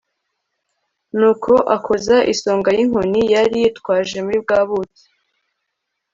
nuko akoza isonga y'inkoni yari yitwaje muri bwa buki